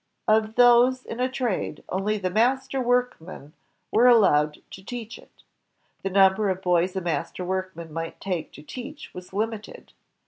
Of those in a trade, only the master workmen were allowed to teach it. The number of boys a master workman might take to teach was limited.